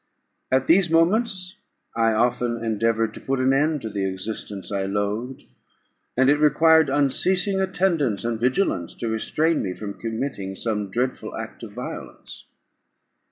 At these moments I often endeavoured to put an end to the existence I loathed; and it required unceasing attendance and vigilance to restrain me from committing some dreadful act of violence.